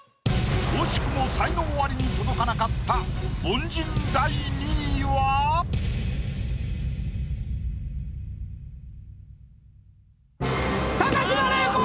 惜しくも才能アリに届かなかった高島礼子！